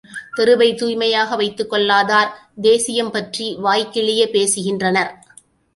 தெருவைத் தூய்மையாக வைத்துக் கொள்ளாதார், தேசியம் பற்றி வாய் கிழியப் பேசுகின்றனர்.